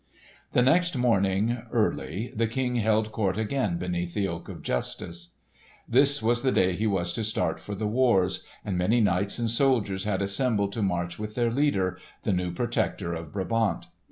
The next morning early the King held court again beneath the Oak of Justice. This was the day he was to start for the wars, and many knights and soldiers had assembled to march with their leader, the new Protector of Brabant.